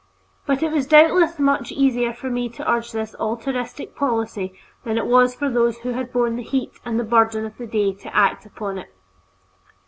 But it was doubtless much easier for me to urge this altruistic policy than it was for those who had borne the heat and burden of the day to act upon it.